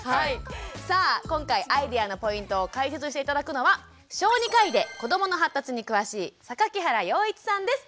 さあ今回アイデアのポイントを解説して頂くのは小児科医で子どもの発達に詳しい榊原洋一さんです。